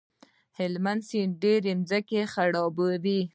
هلمند سیند ډېرې ځمکې خړوبوي.